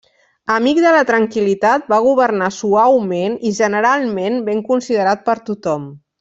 Amic de la tranquil·litat va governar suaument i generalment ben considerat per tothom.